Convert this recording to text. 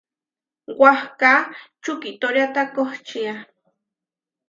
Wahká čukitóriata kohčía.